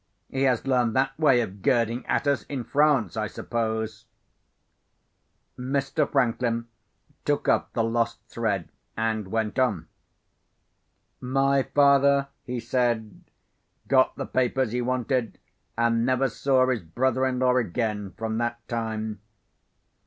He has learned that way of girding at us in France, I suppose." Mr. Franklin took up the lost thread, and went on. "My father," he said, "got the papers he wanted, and never saw his brother in law again from that time.